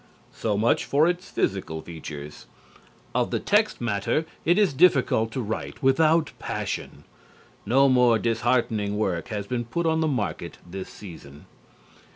So much for its physical features. Of the text matter it is difficult to write without passion. No more disheartening work has been put on the market this season.